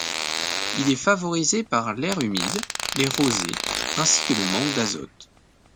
Il est favorisé par l'air humide, les rosées ainsi que le manque d'azote.